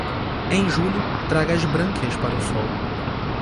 Em julho, traga as brânquias para o sol.